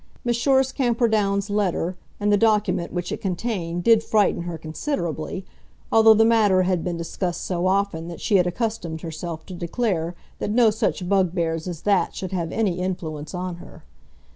Messrs. Camperdowns' letter and the document which it contained did frighten her considerably, although the matter had been discussed so often that she had accustomed herself to declare that no such bugbears as that should have any influence on her.